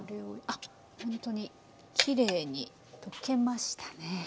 あっほんとにきれいに溶けましたね。